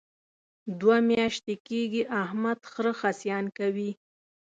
دوه میاشتې کېږي احمد خره خصیان کوي.